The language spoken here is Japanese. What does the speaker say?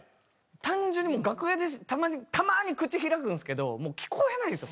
単純に楽屋でたまにたまに口開くんですけど聞こえないですよ